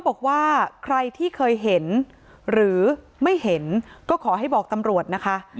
บอกว่าใครที่เคยเห็นหรือไม่เห็นก็ขอให้บอกตำรวจนะคะ